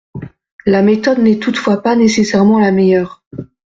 La méthode n’est toutefois pas nécessairement la meilleure.